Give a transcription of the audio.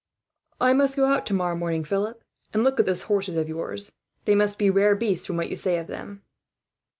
"I must go out tomorrow morning, Philip, and look at those horses of yours. They must be rare beasts, from what you say of them."